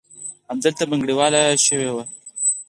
همدلته بنګړیواله شوې وه.